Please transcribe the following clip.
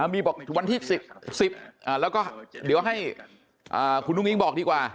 มีบอกวันที่๑๐แล้วก็เดี๋ยวให้คุณอุ้งอิ๊งบอกดีกว่า